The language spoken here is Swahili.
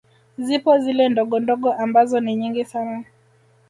Zipo zile ndogondogo ambazo ni nyingi sana